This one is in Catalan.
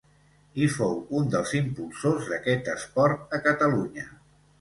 I fou un dels impulsors d'aquest esport a Catalunya.